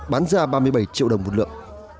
bán ra ba mươi bảy triệu đồng một lượng